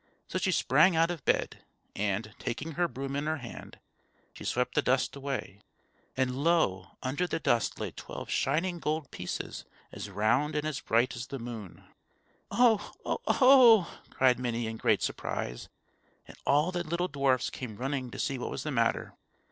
So she sprang out of bed, and, taking her broom in her hand, she swept the dust away; and lo! under the dust lay twelve shining gold pieces, as round and as bright as the moon. "Oh! oh! oh!" cried Minnie, in great surprise; and all the little dwarfs came running to see what was the matter.